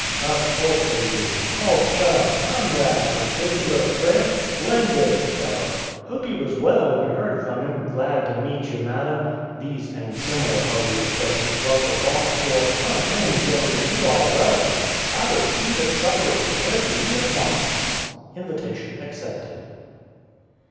Of course they knew him. "Old chum," "Comrade," "Particular friend," "Splendid fellow," "Hope he was well when you heard from him. Glad to meet you, madam!" These and similar hearty expressions brought the longed for "Come in, gentlemen; you are welcome. I will see that supper is prepared for you at once." (Invitation accepted.)